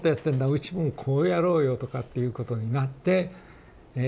うちもこうやろうよ」とかっていうことになってえ